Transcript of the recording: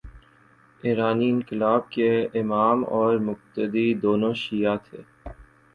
ایرانی انقلاب کے امام اور مقتدی، دونوں شیعہ تھے۔